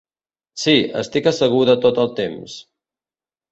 Sí, estic asseguda tot el temps.